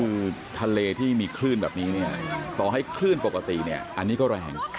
คือทะเลที่มีคลื่นแบบนี้เนี่ยต่อให้คลื่นปกติเนี่ยอันนี้ก็แรง